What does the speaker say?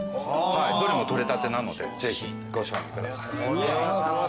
どれも取れたてなのでぜひご賞味ください。